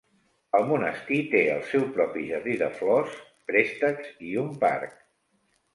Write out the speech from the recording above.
El monestir té el seu propi jardí de flors, préstecs i un parc.